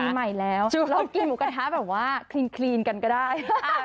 ใหม่แล้วเรากินหมูกระทะแบบว่าคลีนกันก็ได้